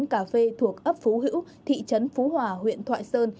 một quán cà phê thuộc ấp phú hữu thị trấn phú hòa huyện thoại sơn